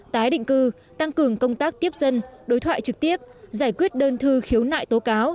tái định cư tăng cường công tác tiếp dân đối thoại trực tiếp giải quyết đơn thư khiếu nại tố cáo